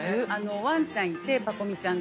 ワンちゃんいてパコ美ちゃん。